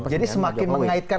jadi semakin mengaitkan